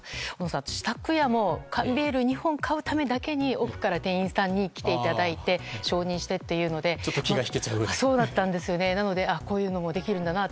私、こないだも缶ビール２本買うために奥から店員さんに来ていただいて承認してというのでこういうのもできるんだなと。